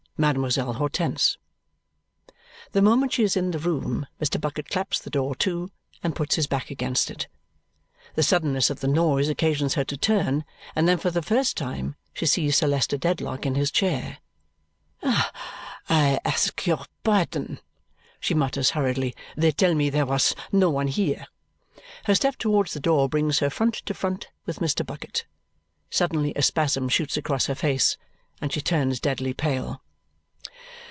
Mademoiselle Hortense. The moment she is in the room Mr. Bucket claps the door to and puts his back against it. The suddenness of the noise occasions her to turn, and then for the first time she sees Sir Leicester Dedlock in his chair. "I ask you pardon," she mutters hurriedly. "They tell me there was no one here." Her step towards the door brings her front to front with Mr. Bucket. Suddenly a spasm shoots across her face and she turns deadly pale.